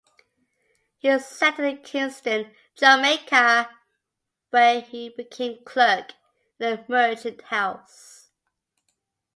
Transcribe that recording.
He settled in Kingston, Jamaica where he became clerk in a merchant house.